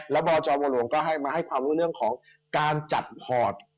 แล้วบจมหลวงก็ให้มาให้ความรู้เรื่องของการจัดพอร์ต